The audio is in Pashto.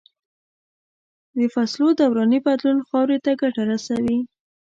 د فصلو دوراني بدلون خاورې ته ګټه رسوي.